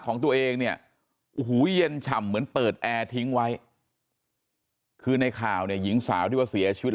ของตัวเองเนี่ยโอ้โหเย็นฉ่ำเหมือนเปิดแอร์ทิ้งไว้คือในข่าวเนี่ยหญิงสาวที่ว่าเสียชีวิต